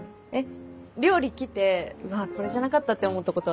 料理来てわこれじゃなかったって思ったことはないの？